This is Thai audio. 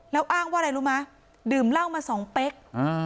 แล้วอ้างว่าอะไรรู้ไหมดื่มเหล้ามาสองเป๊ก